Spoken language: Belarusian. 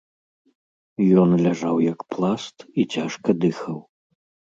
Ён ляжаў як пласт і цяжка дыхаў.